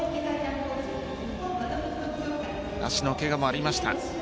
足のケガもありました。